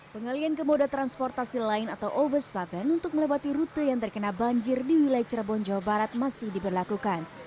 pengalian ke moda transportasi lain atau overstafet untuk melewati rute yang terkena banjir di wilayah cirebon jawa barat masih diberlakukan